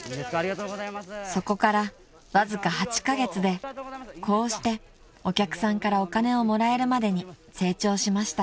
［そこからわずか８カ月でこうしてお客さんからお金をもらえるまでに成長しました］